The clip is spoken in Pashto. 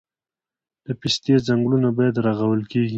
د پستې ځنګلونه بیا رغول کیږي